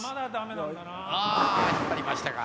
あ引っ張りましたか。